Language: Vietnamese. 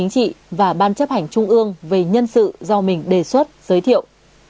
chính trị và ban chấp hành trung ương về nhân sự do mình đề xuất giới thiệu